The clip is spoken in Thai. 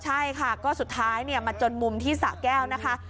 ใช่ค่ะก็สุดท้ายมาจนมุมที่สะแก้วนะคะ